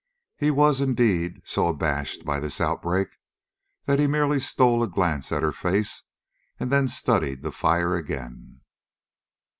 He was, indeed, so abashed by this outbreak that he merely stole a glance at her face and then studied the fire again.